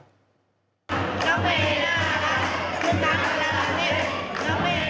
น้องเมน่ารักคุณตามมารักนิด